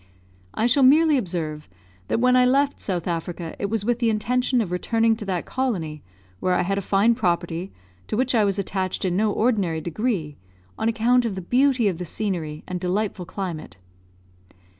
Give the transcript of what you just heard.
I shall merely observe that when I left South Africa it was with the intention of returning to that colony, where I had a fine property, to which I was attached in no ordinary degree, on account of the beauty of the scenery and delightful climate.